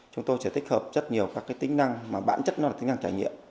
chúng tôi sẽ tích hợp rất nhiều các tính năng mà bản chất nó là tính năng trải nghiệm